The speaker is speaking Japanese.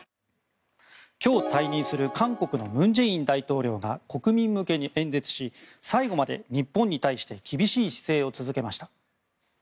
今日退任する韓国の文在寅大統領が国民向けに演説し最後まで日本に対して厳しい姿勢を続けました。